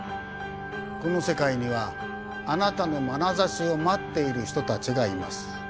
この世界にはあなたのまなざしを待っている人たちがいます。